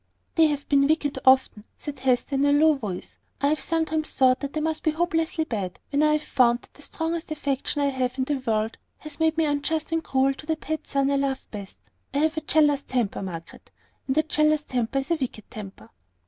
"They have been wicked, often," said Hester, in a low voice. "I have sometimes thought that I must be hopelessly bad, when I have found that the strongest affection I have in the world has made me unjust and cruel to the person I love best. I have a jealous temper, Margaret; and a jealous temper is a wicked temper."